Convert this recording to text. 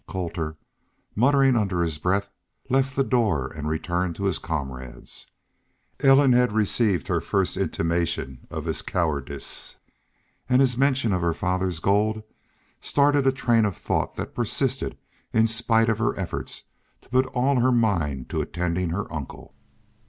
Colter, muttering under his breath, left the door and returned to his comrades. Ellen had received her first intimation of his cowardice; and his mention of her father's gold started a train of thought that persisted in spite of her efforts to put all her mind to attending her uncle.